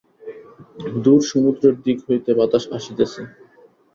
দূর সমুদ্রের দিক হইতে বাতাস আসিতেছে।